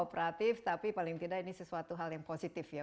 kooperatif tapi paling tidak ini sesuatu hal yang positif ya